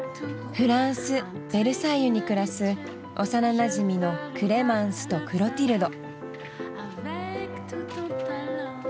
フランス・ベルサイユに暮らす幼なじみのクレマンスとクロティルド。